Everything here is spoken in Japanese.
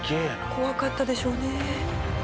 怖かったでしょうね。